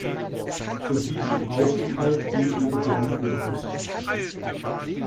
Von diesem Aufenthalt ging ihre Berufung aus.